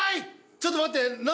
ちょっと待って。